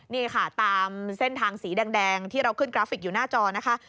นี่ค่ะตามเส้นทางสีแดงที่เราขึ้นกราฟิกอยู่หน้าจอนะคะ